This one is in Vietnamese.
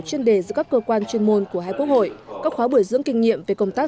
chuyên đề giữa các cơ quan chuyên môn của hai quốc hội các khóa buổi dưỡng kinh nghiệm về công tác